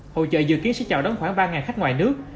hội chợ dự kiến sẽ chào đón khoảng ba khách ngoài nước